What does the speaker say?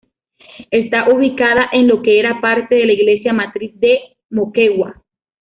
Esta ubicada en lo que era parte de la Iglesia Matriz de Moquegua.